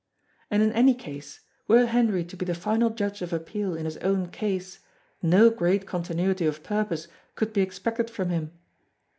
And in any case, were Henry to be the final judge of appeal in his own case no great continuity of purpose could be expected from him.